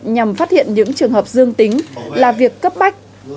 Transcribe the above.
nhằm phát hiện những trường hợp dương tính là việc cấp bách